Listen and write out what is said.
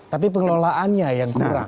tapi pengelolaannya yang kurang